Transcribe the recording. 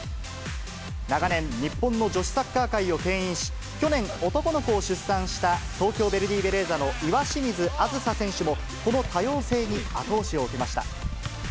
長年、日本の女子サッカー界をけん引し、去年、男の子を出産した、東京ヴェルディベレーザの岩清水梓選手も、この多様性に後押しを受けました。